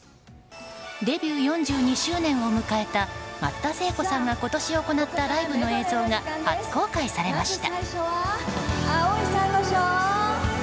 デビュー４２周年を迎えた松田聖子さんが今年行ったライブの映像が初公開されました。